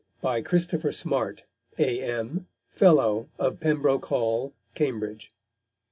_By Christopher Smart, A.M., Fellow of Pembroke Hall, Cambridge.